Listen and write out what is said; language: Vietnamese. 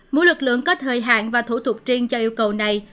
mỗi lực lượng có thời hạn và thủ tục riêng cho yêu cầu này